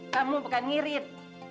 kamu bukan ngirit